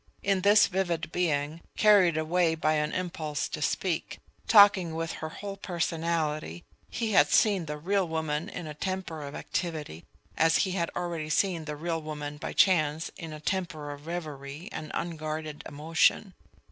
In this vivid being, carried away by an impulse to speak, talking with her whole personality, he had seen the real woman in a temper of activity, as he had already seen the real woman by chance in a temper of reverie and unguarded emotion.